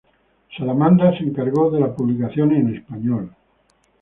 Salamandra se encargó de la publicación en Español.